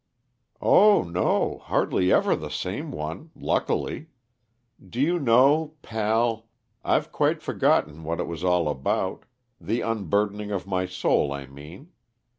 "Oh, no. Hardly ever the same one, luckily. Do you know pal, I've quite forgotten what it was all about the unburdening of my soul, I mean.